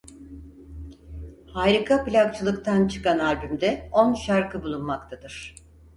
Harika Plakçılık'tan çıkan albümde on şarkı bulunmaktadır.